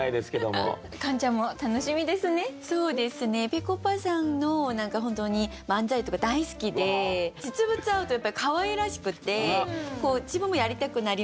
ぺこぱさんの本当に漫才とか大好きで実物会うとやっぱりかわいらしくて自分もやりたくなりました。